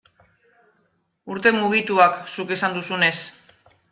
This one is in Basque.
Urte mugituak, zuk esan duzunez.